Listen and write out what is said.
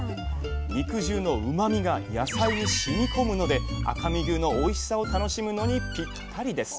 肉汁のうまみが野菜にしみ込むので赤身牛のおいしさを楽しむのにぴったりです。